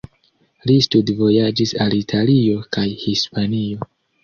Li studvojaĝis al Italio kaj Hispanio.